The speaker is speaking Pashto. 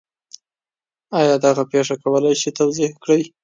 آیا دغه پېښه کولی شئ توضیح کړئ؟